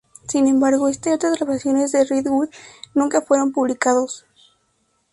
Sin embargo esta y otras grabaciones de Redwood nunca fueron publicados.